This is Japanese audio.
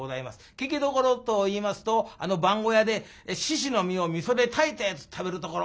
聞きどころといいますとあの番小屋で猪の身をみそで炊いたやつ食べるところ。